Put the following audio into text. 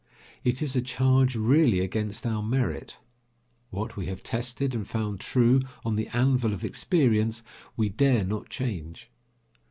It is a charge really against our merit. What we have tested and found true on the anvil of experience, we dare not change.